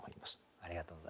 ありがとうございます。